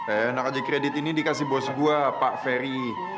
eh nak kredit ini dikasih bos gue pak ferry